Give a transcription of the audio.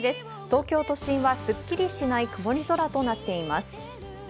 東京都心はスッキリしない曇り空となっています。